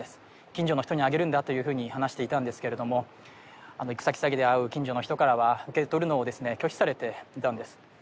近所の人にあげるんだと話していたんですけれども行くさきざきで会う近所の人からは受け取るのをですね拒否されていたんです